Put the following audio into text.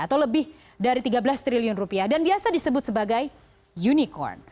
atau lebih dari tiga belas triliun rupiah dan biasa disebut sebagai unicorn